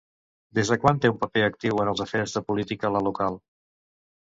Des de quan té un paper actiu en els afers de política la local?